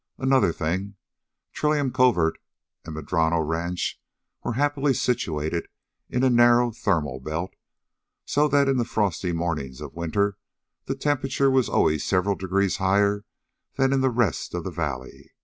Another thing, Trillium Covert and Madrono Ranch were happily situated in a narrow thermal belt, so that in the frosty mornings of winter the temperature was always several degrees higher than in the rest of the valley.